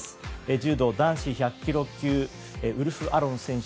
柔道男子１００ｋｇ級ウルフ・アロン選手